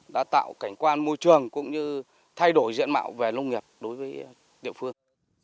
đã tạo cảnh quan môi trường cũng như thay đổi diện mạo về nông nghiệp đối với địa phương